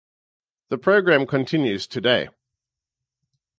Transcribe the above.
The program continues today.